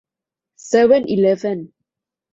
เซเว่นอีเลฟเว่น